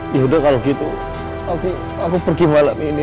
ya sudah kalau begitu aku pergi malam ini